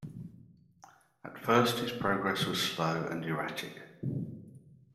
At first his progress was slow and erratic.